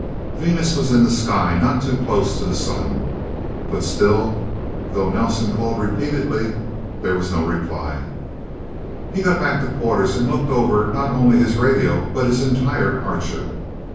Venus was in the sky, not too close to the sun. But still, though Nelsen called repeatedly, there was no reply. He got back to quarters, and looked over not only his radio but his entire Archer.